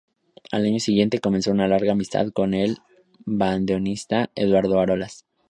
Al año siguiente comenzó una larga amistad con el bandoneonista Eduardo Arolas.